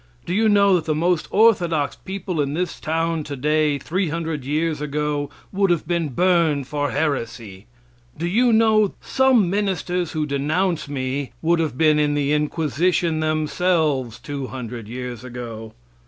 Do you know that the most orthodox people in this town today, three hundred years ago would have been burned for heresy? Do you know some ministers who denounce me would have been in the Inquisition themselves two hundred years ago?